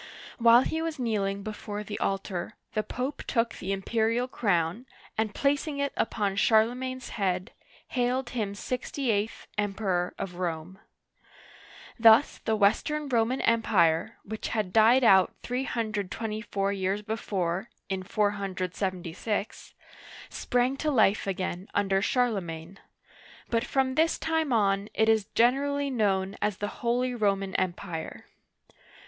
While he was kneeling before the altar, the Pope took the imperial crown, and placing it upon Charlemagne's head, hailed him sixty eighth Emperor of Rome. Thus the Western Roman Empire, which had died out 324 years before (in 476), sprang to life again under Charlemagne ; but from this time on it is generally known as the " Holy Roman Empire."